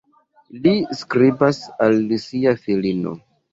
Li skribas al sia filino.